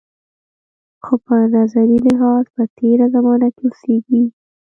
خو په نظري لحاظ په تېره زمانه کې اوسېږي.